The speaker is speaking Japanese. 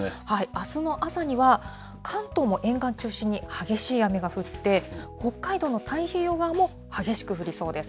あすの朝には関東も沿岸中心に激しい雨が降って、北海道の太平洋側も激しく降りそうです。